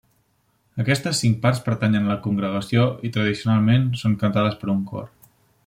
Aquestes cinc parts pertanyen a la congregació i, tradicionalment, són cantades per un cor.